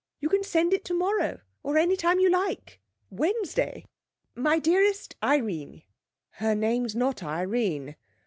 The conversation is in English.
You can send it tomorrow, or any time you like. Wednesday. My dearest Irene.' 'Her name's not Irene.'